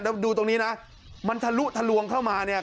แล้วดูตรงนี้นะมันทะลุทะลวงเข้ามาเนี่ย